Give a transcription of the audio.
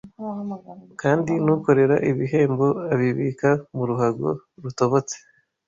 kandi n’ukorera ibihembo abibika mu ruhago rutobotse